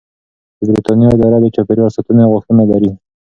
د بریتانیا اداره د چاپیریال ساتنې غوښتنه لري.